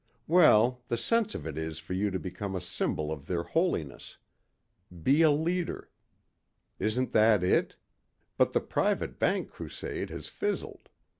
"Well, the sense of it is for you to become a symbol of their holiness. Be a leader. Isn't that it. But the private bank crusade has fizzled.